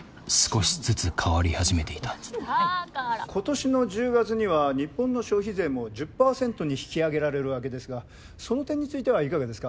今年の１０月には日本の消費税も１０％に引き上げられるわけですがその点についてはいかがですか？